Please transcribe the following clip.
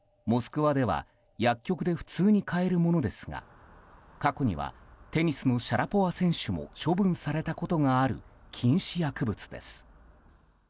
モスクワでは薬局で普通に買えるものですが過去にはテニスのシャラポワ選手も処分されたことがある禁止薬物です。